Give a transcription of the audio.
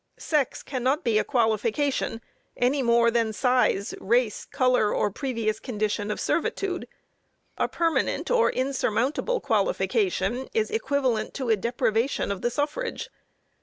Sex cannot be a qualification any more than size, race, color, or previous condition of servitude. A permanent or insurmountable qualification is equivalent to a deprivation of the suffrage.